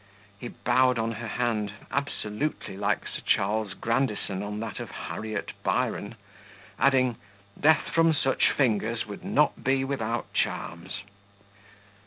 He bowed on her hand, absolutely like Sir Charles Grandison on that of Harriet Byron; adding "Death from such fingers would not be without charms."